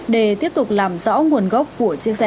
để tiếp tục làm rõ nguồn gốc của chiếc xe